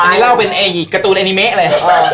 อันนี้เล่าเป็นการ์ตูนเอนิเมะเลย